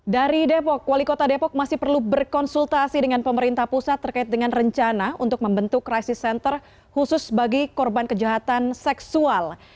dari depok wali kota depok masih perlu berkonsultasi dengan pemerintah pusat terkait dengan rencana untuk membentuk crisis center khusus bagi korban kejahatan seksual